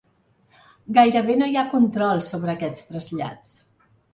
Gairebé no hi ha control sobre aquests trasllats.